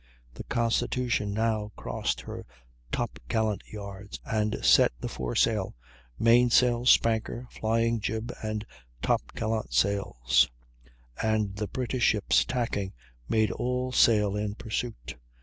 The Constitution now crossed her top gallant yards and set the foresail, main sail, spanker, flying jib, and top gallant sails; and the British ships, tacking, made all sail in pursuit.